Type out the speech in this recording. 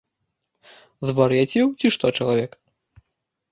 Звар'яцеў ці што чалавек?